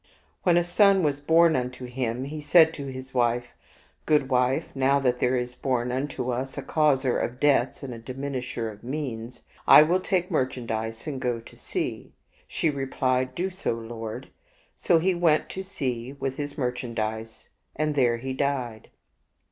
When a son was born unto him, he said to his wife, " Goodwife, now that there is bom unto us a causer of debts and diminisher of means, I will take merchandise and go to sea." She replied, " Do so, lord." So he went to sea with his merchandise, and there he died.